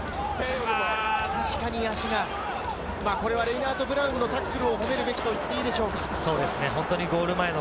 確かに足がレイナートブラウンのタックルを褒めるべきと言ったほうがいいでしょうか？